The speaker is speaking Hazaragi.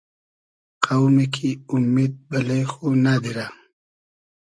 قۆمی کی اومید بئلې خو نئدیرۂ